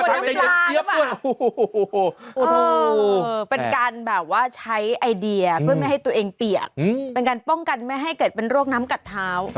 ต้องบอกว่าความพลาดของเด็กเอ็นมันเกิดขึ้นได้